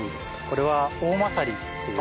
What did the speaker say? これはおおまさりっていう。